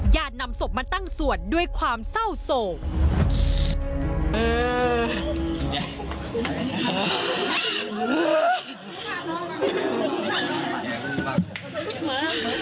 ญาตินำศพมาตั้งสวดด้วยความเศร้าโสเอ่อ